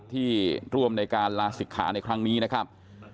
ที่ร่วมในการลาศิกขาในครั้งนี้นะครับ